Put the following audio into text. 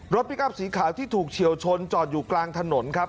พลิกอัพสีขาวที่ถูกเฉียวชนจอดอยู่กลางถนนครับ